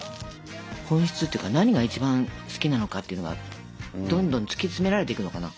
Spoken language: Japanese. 本質っていうか何が一番好きなのかっていうのがどんどん突き詰められていくのかな。